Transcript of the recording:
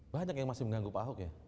banyak yang masih mengganggu pak ahok ya